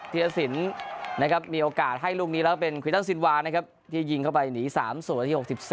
ธิรสินนะครับมีโอกาสให้ลูกนี้แล้วเป็นควิตันซินวานะครับที่ยิงเข้าไปหนี๓๐นาที๖๔